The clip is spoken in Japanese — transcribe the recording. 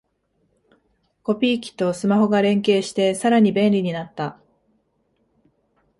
コピー機とスマホが連携してさらに便利になった